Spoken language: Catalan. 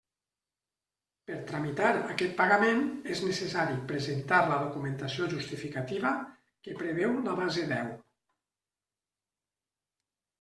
Per tramitar aquest pagament, és necessari presentar la documentació justificativa que preveu la base deu.